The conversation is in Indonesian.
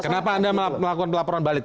kenapa anda melakukan pelaporan balik